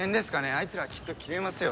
あいつらきっとキレますよ